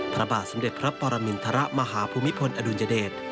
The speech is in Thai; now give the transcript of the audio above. พระบาทสมเด็จพระปรมินทรมาฮภูมิพลอดุลยเดช